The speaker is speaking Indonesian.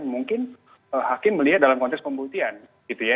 mungkin hakim melihat dalam konteks pembuktian gitu ya